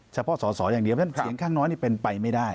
เฉพาะสอสออย่างเดียวเพราะฉะนั้นเสียงข้างน้อยนี่เป็นไปไม่ได้